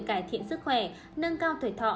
cải thiện sức khỏe nâng cao tuổi thọ